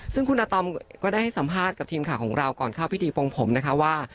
ซึ่งคุณอาตอมก็ได้ให้สัมภาษณ์กับทีมข่าวของเราก่อนเข้าพิธีปรงผมนะคะว่า